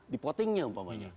di potingnya umpamanya